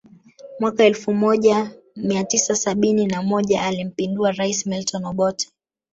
Mwaka elfu moja Mia tisa sabini na moja alimpindua rais Milton Obote